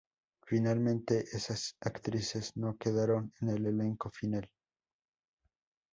Finalmente esas actrices no quedaron en el elenco final.